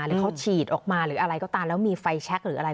หรือเขาฉีดออกมาหรืออะไรก็ตามแล้วมีไฟแชคหรืออะไร